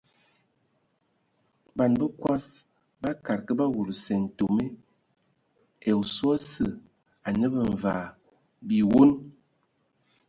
Ban bəkɔs bakad kə ba wulu sƐntome ai oswe osə anə bə mvaa biwoŋ.